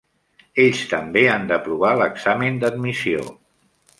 Ells també han d'aprovar l'examen d'admissió.